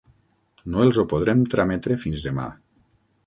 No els ho podrem trametre fins demà.